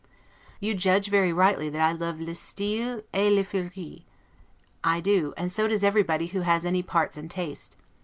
You judge very rightly that I love 'le style le r et fleuri'. I do, and so does everybody who has any parts and taste.